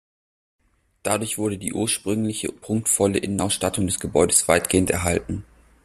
Dadurch wurde die ursprüngliche prunkvolle Innenausstattung des Gebäudes weitgehend erhalten.